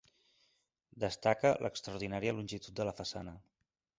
Destaca l'extraordinària longitud de la façana.